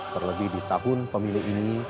terlebih di tahun pemilu ini